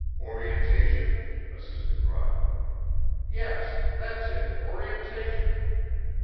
"Orientation?" assisted Rod. "Yes; that's it. Orientation.